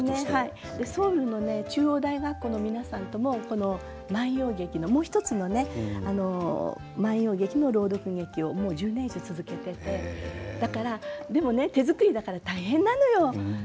ソウルの中央大学の皆さんとも「万葉集」のもう１つの朗読劇を１０年以上続けていてでもね手作りだから大変なのよ